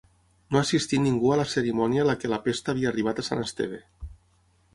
No assistí ningú a la cerimònia la que la pesta havia arribat a Sant Esteve.